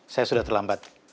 saya sudah terlambat